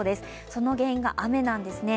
その原因が雨なんですね。